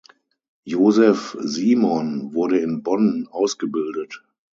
Josef Simon wurde in Bonn ausgebildet.